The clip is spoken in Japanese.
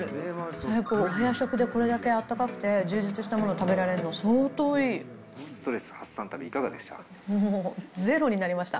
最高、お部屋食でこれだけ温かくて、充実したものが食べられるの、相当ストレス発散旅、いかがでしもう、ゼロになりました。